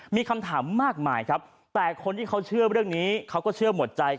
มีคำถามมากมายครับแต่คนที่เขาเชื่อเรื่องนี้เขาก็เชื่อหมดใจ